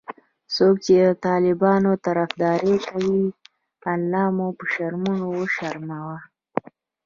څوک چې د طالبانو طرفدارې کوي الله مو به شرمونو وشرموه😖